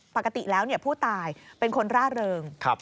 ปกติแล้วผู้ตายเป็นคนร่าเริง